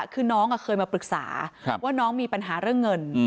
คือน้องเคยมาปรึกษาว่าน้องมีปัญหาเรื่องเงิน